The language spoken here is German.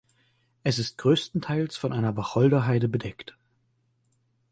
Es ist größtenteils von einer Wacholderheide bedeckt.